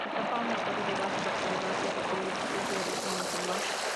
Destaca una torre de base rectangular que se cree es de origen musulmán.